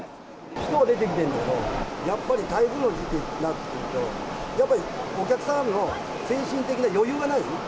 人は出てきてるんだけど、やっぱり台風ってなると、やっぱりお客さんの精神的な余裕がない。